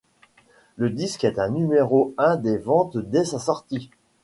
Le disque est numéro un des ventes dès sa sortie.